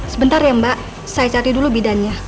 sebentar ya mbak saya cari dulu bidannya